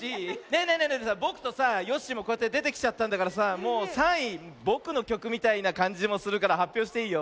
えぼくとさヨッシーもこうやってでてきちゃったんだからさもう３いぼくのきょくみたいなかんじもするからはっぴょうしていいよ。